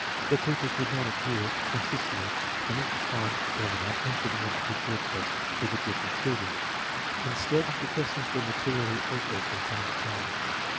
The teachers did not adhere consistently to any definite formula in giving a particular tost to the different children. Instead, the questions were materially altered from time to time.